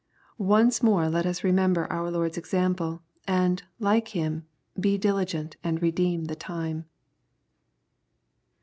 Once more let us remember our Lord's example, and, like Him, be diligent and "redeem the time."